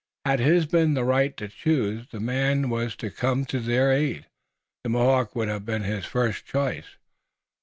Had his been the right to choose the man who was to come to their aid, the Mohawk would have been his first choice.